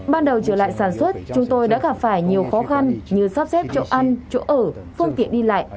ban đầu trở lại sản xuất chúng tôi đã gặp phải nhiều khó khăn như sắp xếp chỗ ăn chỗ ở phương tiện đi lại